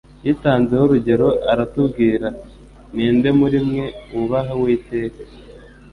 Yitanzeho urugero, aratubwira ati, ” Ni nde muri mwe wubaha Uwiteka …